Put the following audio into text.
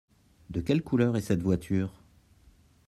De quelle couleur est cette voiture ?